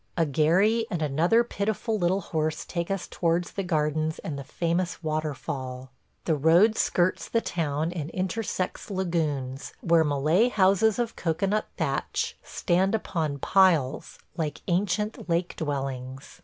A gharry and another pitiful little horse take us towards the gardens and the famous waterfall. The road skirts the town and intersects lagoons, where Malay houses of cocoanut thatch stand upon piles like ancient lake dwellings.